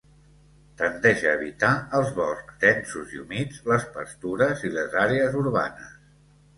Tendeix a evitar els boscs densos i humits, les pastures i les àrees urbanes.